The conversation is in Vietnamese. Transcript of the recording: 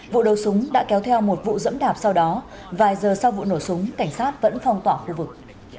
vụ đầu súng đã kéo theo một vụ dẫm đạp sau đó vài giờ sau vụ nổ súng cảnh sát vẫn phong tỏa khu vực